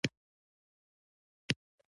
دیلمیان حکومتونه جوړ کړي وو